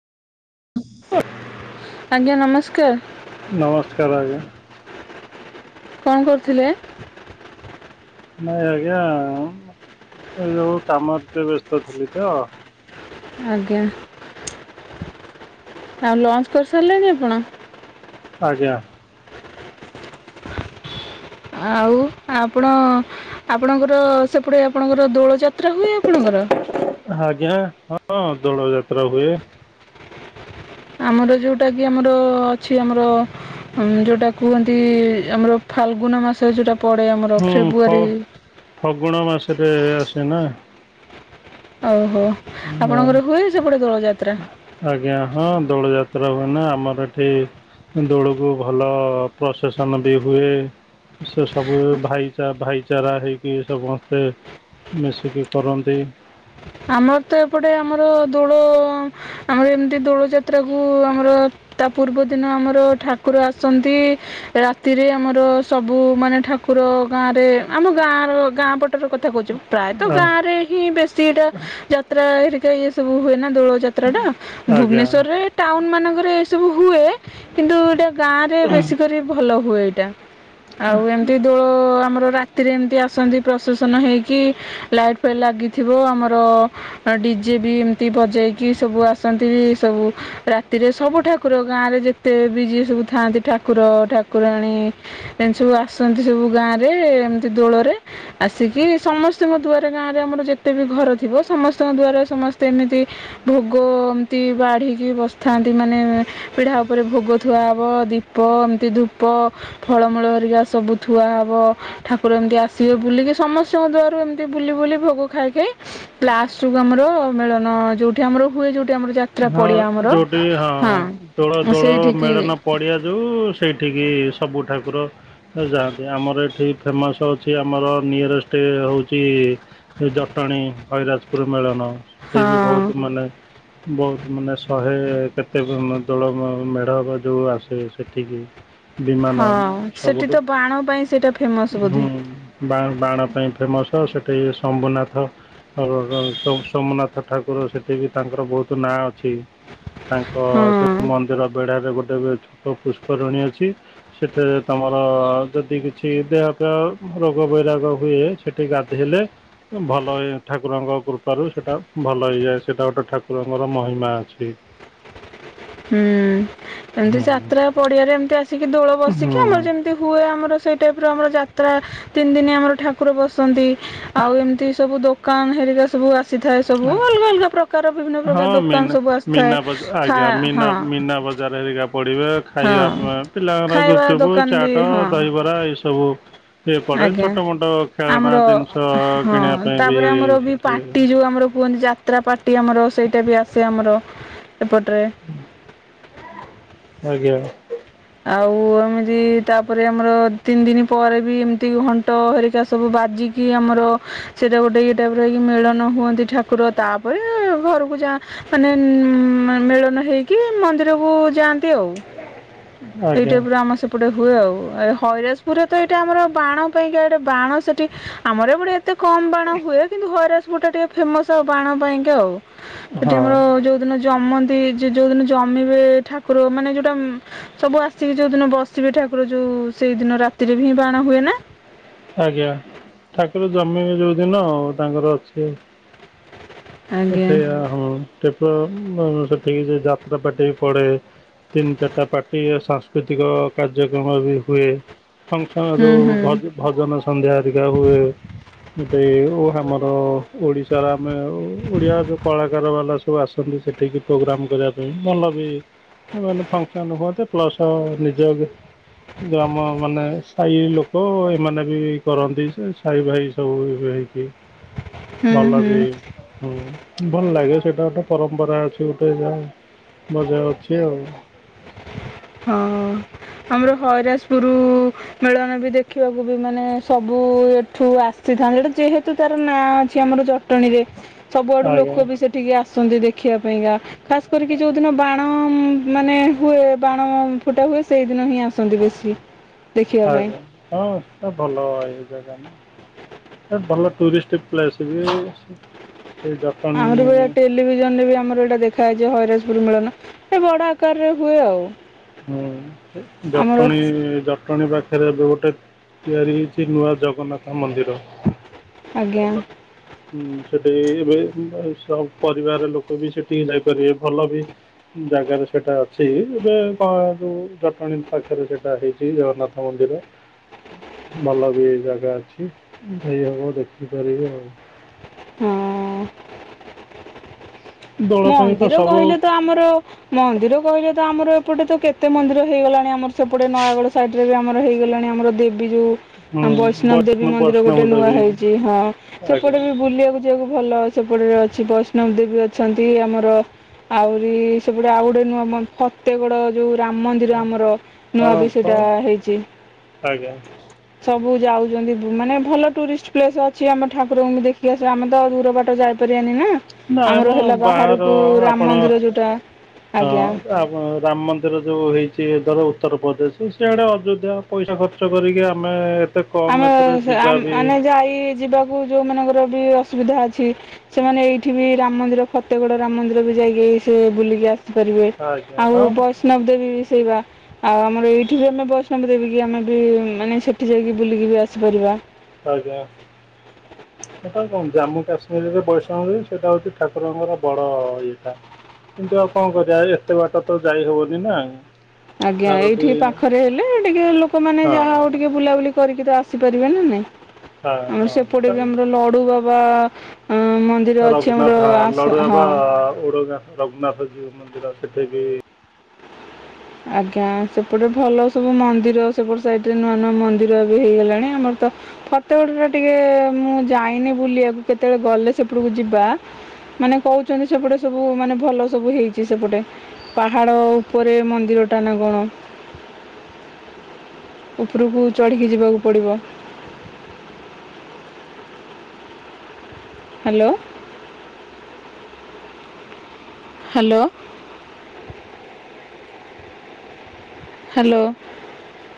[unintelligible] ଆଜ୍ଞା ନମସ୍କାର। ନମସ୍କାର ଆଜ୍ଞା। କଁ କରୁଥିଲେ? ନାଇଁ ଆଜ୍ଞା ଏ ଯୋଉ କାମରେ ଟିକେ ବ୍ୟସ୍ତ ଥିଲି ତ। ଆଜ୍ଞା। ଆଉ ଲଞ୍ଚ କରିସାରିଲେଣି ଆପଣ? ଆଜ୍ଞା। ଆଉ ଆପଣ ଆପଣଙ୍କର ସେପଟେ ଆପଣଙ୍କର ଦୋଳ ଯାତ୍ରା ହୁଏ ଆପଣଙ୍କର? ଆଜ୍ଞା ହଁ ଦୋଳ ଯାତ୍ରା ହୁଏ। ଆମର ଯୋଉଟା କିି ଆମର ଅଛି ଆମର ଉଁ ଯୋଉଟା କୁହନ୍ତି ଆମର ଫାଲଗୁନ ମାସ ଯୋଉଟା ପଡେ ଆମର। ହୁଁ ଫ ଫେବୃଆରୀ ଫଗୁଣ ମାସରେ ଆସେ ନା। ଓହୋ। ଆପଣଙ୍କର ହୁଏ ସେପଟେ ଦୋଳଯାତ୍ରା ହଁ। ଆଜ୍ଞା ହଁ ଦୋଳ ଯାତ୍ରା ହୁଏନା ଆମର ଏଠି। ଦୋଳକୁ ଭଲ ପ୍ରସେସନ ବି ହୁଏ। ସେ ସବୁ ଭାଇଚା ଭାଇଚାରା ହେଇକି ସମସ୍ତେ ମିଶିକି କରନ୍ତି। ଆମର ତ ଏପଟେ ଆମର ଦୋଳ ଆମର ଏମିତି ଦୋଳ ଯାତ୍ରା କୁ ଆମର ତା ପୂର୍ବ ଦିନ ଆମର ଠାକୁର ଆସନ୍ତି। ରାତିରେ ଆମର ସବୁ ମାନେ ଠାକୁର ଗାଁରେ ଆମ ଗାଁର ଗାଁ ପଟରେ କଥା କହୁଛି। ପ୍ରାୟତଃ ଗାଁ ଆ- ରେ ହିଁ ବେଶୀଟା ଯାତ୍ରା ହେରିକା ଇଏ ସବୁ ହୁଏ ନା ଦୋଳ ଯା ତ୍ରା ଟା ଆଜ୍ଞା ଭୁବନେଶ୍ୱରରେ ଟାଉନ ମାନଙ୍କରେ ଏ ସବୁ ହୁଏ କିନ୍ତୁ ଏଟା ଗାଁ ରେ ବେଶୀ କରି ଭଲ ହୁଏ ଏଇଟା ଆଉ ଏମତି ଦୋଳ ଆମର ରା ରାତିରେ ଏମିତି ଆସନ୍ତି ପ୍ରସେସନ ହେଇକି ଲାଇଟ୍ ଫାଇଟ ଲାଗିଥିବ ଆମ ର ଡିଜେ ବି ଏମିତି ବଜେଇକି ସବୁ ଆସନ୍ତି ସବୁ ରାତିରେ ସବୁ ଠାକୁର ଗାଁରେ ଯେତେ ବି ଯିଏ ସବୁ ଥାଆନ୍ତି ଠାକୁର ଠାକୁରାଣୀ ଏମତି ସବୁ ଆସନ୍ତି ସବୁ ଗାଁରେ ଏମତି ଦୋଳରେ। ଆସିକି ସମସ୍ତିଙ୍କ ଦୁଆରେ ଗାଁରେ ଆମର ଯେତେ ବି ଘର ଥି ଥିବ ସମସ୍ତଙ୍କ ଦୂଆରେ ସମସ୍ତେ ଏମିତି ଭୋଗ ଏମତି ବାଢିକି ବସିଥାନ୍ତି ମାନେ ପିଢା ଓପରେ ଭୋଗ ଥୁଆ ହବ ଦୀପ ଏମତି ଧୂପ ଫଳମୂଳ ହରିକା ସବୁ ଥୁଆ ହବ। ଠାକୁର ଏମତି ଆସିବେ ବୁଲିକି ସମସ୍ତିଙ୍କ ଦୂଆରୁ ଏମତି ବୁଲି ବୁଲି ଭୋଗ ଖାଇ ଖାଇ ଲାଷ୍ଟେକୁ ଆମର ମିଳନ ଯୋଉଠି ଆମର ହୁଏ ଯୋଉଠି ଆମର ଯା ହଁ ଯୋଉଠି ହଁ ଦୋଳ ହଁ ଦୋଳ ସେଇଠିକି ମେଳନ ପଡ଼ିଆ ଯୋଉ ସେଇଠିକି ସବୁ ଠାକୁର ଯାଆନ୍ତି ଆମର ଏଠି ଫେମସ ଅଛି ସିଏ ଆମର ନିିଅରେଷ୍ଟ ହୋଉଚି ଜଟଣୀ ହଇରାଜପୁର ମେଳନ। ସେଟା ହଁ ବି ବୋହୁତ ମାନେ ବୋହୁତ ମାନେ ଶହେ କେତେକ ଦୋଳ ମ ମେଢ଼ ହବ ଯୋଉ ଆସେ ସେଠିକି। ବିମାନ ହଁ ସେଠି ତ ସବୁଠୁ ବାଣ ପାଇଁ ସେଇଟା ଫେମସ୍ ବୋଧେ ହୁଁ। ବା ବାଣ ପାଇଁ ଫେମସ ସେଠି ଏ ସମ୍ଭୁନାଥ ଓରୋ ରୋ ସୋ ସୋମନାଥ ଠାକୁର ସେଠି ବି ତାଙ୍କର ବୋହୁତୁ ନାଁ ଅଛି। ତାଙ୍କ ସେ ହଁ ମନ୍ଦିର ବେଢାରେ ଗୋଟେ ବି ଛୋଟ ପୁଷ୍ପରିଣୀ ଅଛି ସେଠାରେ ତମର ଯଦି କିଛି ଦେହଫେହ ରୋଗ ବୈରାଗ ହୁଏ ସେଠି ଗାଧେଇଲେ ଏ ଭଲ ଏ ଠାକୁରଙ୍କ କୃପାରୁ ସେଇଟା ଭଲ ହେଇଯାଏ ସେଇଟା ଗୋଟେ ଠାକୁରଙ୍କର ମହିମା ଅଛି। ଛି ହୁଁ ଏମତି ଯାତ୍ରା ପଡିଆରେ ଏମତି ଆସିକି ଦୋଳ ବସିକି ହୁଁ ଆମର ଯେମ ହୁଏ ଆମର ସେଇ ଟାଇପର ଆମର ଯାତ୍ରା ତିନ ଦିନି ଆମର ଠାକୁର ବସନ୍ତି। ଆଉ ଏମତି ସବୁ ଦୋକାନ ହେରିକା ସବୁ ଆସ୍ ଆସିଥାଏ ସବୁ ଅଲଗା ଅଲଗା ପ୍ରକାର ବିଭିନ୍ନ ହଁ ପ୍ରକାର ଦୋକାନ ମୀନା ସବୁ ଆସିଥାଏ ଖା ହଁ। ହଜାର ହେରିକା ପଡିବେ ଖାଇବା ହଁ ପାଇଁ ପିଲାଙ୍କର ଖାଇବା ଗୁପଚୁପ, ଦୋକାନ ବି ଚାଟ, ହଁ ଦହିବରା ଏଇ ସବୁ ଆଜ୍ଞା ଆମର ଜିନିଷ ହଁ କିଣିବା ପାଇଁ ବି ତାପରେ ଆମର ବି ସେଠି ପାଟି ଯୋଉ ଆମର ହୁଅନ୍ତି ଯା ଯାତ୍ରା ପାର୍ଟି ଆମର ସେଇଟା ବି ଆସେ ଆମର ଏପଟରେ। ହୁଁ। ଆଜ୍ଞା। ଆଉ ଏମିତି ତାପରେ ଆମର ତିନି ଦିନ ପରେ ବି ଏମତି ଘଣ୍ଟ ହରିକା ସବୁ ବାଜି କି ଆମର ସେଇଟା ଗୋଟେ ଇଏ ଟାଇପର ହେଇକି ମେଳନ ହୁଅନ୍ତି ଠାକୁର ତାପରେ ଘରକୁ ଯାଆ ମାନେ ଉଁ ମାନ ମେଳନ ହେଇକି ମନ୍ଦିରକୁ ଯାଆନ୍ତି ଆଉ। ଏଇ ଆଜ୍ଞା ଟାଇପର ଆମ ସେ ଏପଟେ ହୁଏ ଆଉ ଏ ହଇରାଜପୁରରେ ତ ଏଇଟା ଆମର ବାଣ ପାଇଁକା ଏଟା ବାଣ ସେଠି ଆମର ଏପଟେ ଏ ଏତେ କମ ବାଣ ହୁଏ କିନ୍ତୁ ହଇରାଜପୁରଟା ଟିକେ ଫେମସ ଆଉ ବାଣ ପାଇଁକ ଆଉ। ଏଠି ହଁ ଆମର ଯୋଉଦିନ ଜମନ୍ତି ଯେ ଯୋଉଦିନ ଜମିବେ ଠାକୁର ମାନେ ଯୋଉଟା ଉମ୍ ସବୁ ଆସିକି ଯୋଉ ଦିନ ବସିବେ ଠାକୁର ଯୋଉ ସେଇଦିନ ରାତିରେ ବି ହିଁ ବାଣ ହୁଏ ନା? ଆଜ୍ଞା ଠାକୁର ଜମିବେ ଯୋଉ ଦିନ ଆଉ ତାଙ୍କର ଅଛି। ଆଜ୍ଞା ଏଠି ଏ ହଁ କେବଳ ଉଁ ବ ସେଠିକି ସେ ଯାତ୍ରା ପାଟି ବି ପଡେ। ତିନି ଚାରିଟା ପାର୍ଟି ଏ ସାଂସ୍କୃତିକ କାର୍ଯ୍ୟକ୍ରମ ବି ହୁଏ। ଫଙ୍କସନ ହୁଁ ଯୋଉ ହୁଁ ଭଜ୍ ଭଜନ ସନ୍ଧ୍ୟା ହରିକା ହୁଏ। ଦେଉଉ ଆମର ଓଡ଼ିଶାର ଆମେ ଓଡିଆ ଯୋଉ କଳାକାର ବାଲା ସବୁ ଆସନ୍ତି ସେଠିକି ପୋଗ୍ରାମ କରିବା ପାଇଁ ଭଲ ବି ମାନେ ଫଙ୍କସନ ହୁଅନ୍ତେ ପ୍ଲସ ନିଜେ ଗି ଗ୍ରାମ ମାନେ ସାହି ଲୋକ ଏମାନେ ବି କରନ୍ତି ସେ ସାହି ଭାଇ ସବୁ ହେଇକି। ହୁଁ ଭଲ ହୁଁ। ବି ହୁଁ ଭଲ ଲାଗେ ସେଇଟା ଗୋଟେ ପରମ୍ପରା ଅଛି ଗୋଟେ ଯା ମଜା ଅଛି ଆଉ। ହଁ ଆମର ହଇରାଜପୁର ମିଳନ ବି ଦେଖିବାକୁ ବି ମାନେ ସବୁ ଏଠୁ ଆସିଥାନ୍ତି। ଯେହେତୁ ତାର ନାଁ ଅଛି ଆମର ଜ ଟଣୀରେ ସବୁଆଡୁ ଲୋକ ଆଜ୍ଞା ବି ସେ ଠିକ୍ ଆସନ୍ତି ଦେଖିବା ପାଇଁକା ଖାସ କରିକି ଯୋଉଦିନ ବାଣ ମାନେ ହୁଏ। ବାଣ ଫୁଟା ହୁଏ ସେଇଦିନ ହିଁ ଆସନ୍ତି ବେଶୀ ଦେଖିବା ପାଇଁ। ଆଜ୍ଞା ହଁ ସେଟା ଭଲ ଏଇ ଜାଗା। ଏ ଭଲ ଟୁରିଷ୍ଟ ପ୍ଲେସ ବି ସେ ଜ ଅମର ବି [unintelligible] ଟେଲିଭିଜନରେ ଆମର ଏଟା ଦେଖାଯାଇଛି ହଇରାଜପୁର ମିଳନ ଏ ବଡ ଆକାରରେ ହୁଏ ଆଉ। ହୁଁ ଆମର ଜଟଣୀ ଜ ଜଟଣୀ ପାଖରେ ଏବେ ଗୋଟେ ତିଆରି ହେଇଛି ନୂଆ ଜଗନ୍ନାଥ ମନ୍ଦିର। ଆଜ୍ଞା ଭଲ। ହୁଁ ସେଠି ଏବେ ସ-ପରିବାର ଲୋକ ବି ସେଠି ହିଁ ଯାଇପାରିବେ ଭଲ ବି ଜାଗାରେ ସେଟା ଅଛି ଏବେ ହଁ ଯୋଉ ଜଟଣୀ ପାଖରେ ସେଟା ହେଇଛି ଜଗନ୍ନାଥ ମନ୍ଦିର। ଭଲ ବି ଜାଗା ଅଛି ଯାଇ ହବ ଦେଖିପାରିବେ ଆଉ। ହଁ। ଦୋଳ ପାଇଁ ତ ମନ୍ଦିର ସବୁ କହିଲେ ତ ଆମର ମନ୍ଦିର କହିଲେ ତ ଆମର ଏପଟେ ତ କେତେ ମନ୍ଦିର ହେଇଗଲାଣି ଆମର ସେପଟେ ନୟାଗଡ଼ ସାଇଟି ଏବେ ଆମର ହେଇଗଲାଣି ଆମର ଦେବୀ ଯୁ ହୁଁ ବୈଷ୍ଣବ ଦେବୀ ମନ୍ଦିର ବୈଷ୍ଣବ ଗୋଟେ ନୂଆ ଦେବୀ ହେଇଛି ହଁ ସେପଟେ ଆଜ୍ଞା ବି ବୁଲିବାକୁ ଯିବାକୁ ଭଲ ସେପଟରେ ଅଛି ବୈଷ୍ଣବ ଦେବୀ ଅଛି। ଛନ୍ତି ଆମର ଆହୁରି ସେପଟେ ଆଉ ଗୋଟେ ନୂଆ ମ ଫତେଇଗଡ ଯୁ ରାମ ମନ୍ଦିର ଆମର ନୂଆ ହଁ ବି ସେଇଟା ହଁ, ହେଇଛି। ଆଜ୍ଞା ସବୁ ଯାଉଛନ୍ତି ମାନେ ଭଲ ଟୁରିଷ୍ଟ ପ୍ଲେସ ଅଛି ଆମ ଠାକୁରକୁ ବି ଦେଖି ଆସିବ ଆମେ ତ ଦୂର ବାଟ ଯାଇ କରିବାନି ନା। ନାଇଁ ଆମର ମ ହେଲା ବାହାଘର ବାହାରକୁ ରାମ ଆପଣ ହଁ। ମନ୍ଦିର ଯୋଉଟା ଆଜ୍ଞା ଆପ ରାମ ମନ୍ଦିର ଯୋଉ ହେଇଛି ଏ ଧର ଉତ୍ତରପ୍ରଦେଶ ସେଆଡ଼େ ଅଯୋଧ୍ୟା ପଇସା ଖର୍ଚ୍ଚ କରିକି ଆମେ ଏତେ କମ୍ ଆମେ ଏଥିରେ ହେ ଯିବା ଆମ୍ ବି ମାନେ ଯାଇ ଯିବାକୁ ଯୋଉ ମାନଙ୍କର ବି ଅସୁବିଧା ଅଛି। ସେମାନେ ଏଇଠି ବି ରାମ ମନ୍ଦିର ଫତେଗଡ଼ ରାମ ମନ୍ଦିର ବି ଯାଇକି ସେ ବୁଲିକି ଆସି ପାରିବେ ଆଜ୍ଞା ଆଉ ହଁ ବୈଷ୍ଣବ ଦେବୀ ବି [unintelligible] ଆଉ ଆମର ଏଇଠି ବି ଆମେ ବୈଷ୍ଣବି ଦେବିକି ଆମେ ବି ମାନେ ସେଠି ଯାଇକି ବୁଲିକି ବି ଆସିପାରିବା। ଆଜ୍ଞା। ସେଟା କଣ ଜାମ୍ମୁ କାଶ୍ମୀରରେ ବୈଷ୍ଣବି ଦେବୀ ସେଇଟା ହଉଛି ଠାକୁରଙ୍କର ବଡ ଇଏଟା। କିନ୍ତୁ ଆଉ କଣ କରିବା ଏତେ ବାଟ ତ ଯାଇ ହବନି ନା। ଆଜ୍ଞା ତା'ର ବି ଏଇଠି ପାଖରେ ହେଲେ ଟିକେ ଲୋକମାନେ ହଁ ଯାହା ହଉ ଟି, କିଏ ବୁଲାବୁଲି କରିକି ତ ଆସିପାରିବେ ନା ନାଇଁ ହଁ ଆମର ହଁ ସେପଟେ ବି ତାର ଆମର ଲଡୁ ବା ବା ଉଁ ମ ରଘୁନାଥ ହଁ ଲଡୁବାବା ଓଡଙ୍ଗା ରଘୁନାଥ ଯୋଉ ମନ୍ଦିର ସେଠି ବି ଆଜ୍ଞା ସେପଟେ ଭଲ ସବୁ ମନ୍ଦିର ସେପଟେ ସାଇଟରେ ନୂଆ ନୂଆ ମନ୍ଦିର ବି ହେଇଗଲାଣି ଆମର ତ ଫତଗୁଡଟା ଟିକେ ମୁଁ ଯାଇନି ବୁଲିବାକୁ କେତେବେଳେ ଗଲେ ସେପଟକୁ ଯିବା। ମାନେ କହୁଛନ୍ତି ସେପଟେ ସବୁ ମାନେ ଭଲ ସବୁ ହେଇଛି ସେପଟେ ପାହାଡ ଉପରେ ମ ନ୍ଦିରଟା ନା କଣ? ଉପରକୁ ଚଢ଼ିକି ଯିବାକୁ ପଡ଼ିବ। ହ୍ୟାଲୋ। ହ୍ୟାଲୋ। ହ୍ୟାଲୋ।